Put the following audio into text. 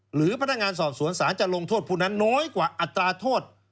หรือพนักงานสอบสวนศาลจะลงโทษผู้นั้นน้อยกว่าอัตราโทษ